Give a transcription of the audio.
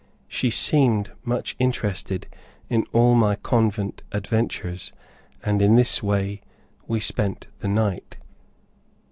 She seemed much interested in all my convent adventures; and in this way we spent the night.